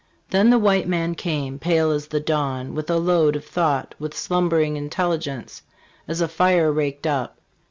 "THEN the white man came, pale as the dawn, with a load of thought, with slumbering intelli gence as a fire raked up.